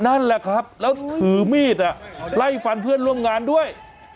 นั่นแหละครับแล้วถือมีดไล่ฟันเพื่อนร่วมงานด้วย